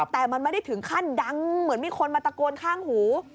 แต่มันไม่ได้ถึงขั้นดังเหมือนมีคนมาตะโกนข้างหู